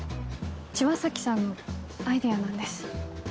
千和崎さんのアイデアなんです。